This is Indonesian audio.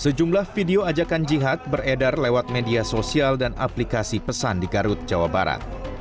sejumlah video ajakan jihad beredar lewat media sosial dan aplikasi pesan di garut jawa barat